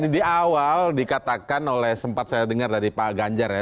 di awal dikatakan oleh sempat saya dengar dari pak ganjar ya